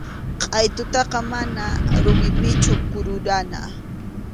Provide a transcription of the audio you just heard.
Qʼaytutaqa mana rumipichu kururana.